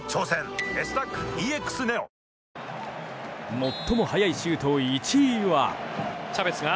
最も速いシュート１位は。